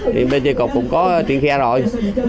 thì bên chế cục cũng có chuyên khe rồi